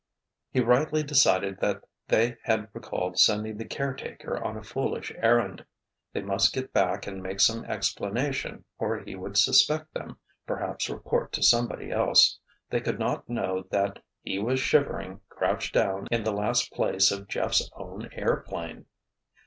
He rightly decided that they had recalled sending the caretaker on a foolish errand. They must get back and make some explanation or he would suspect them, perhaps report to somebody else. They could not know that he was shivering, crouched down in the last place of Jeff's own airplane.